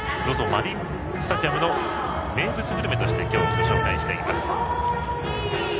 マリンスタジアムの名物グルメとして今日はご紹介しています。